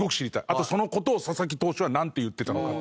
あとその事を佐々木投手はなんて言ってたのか。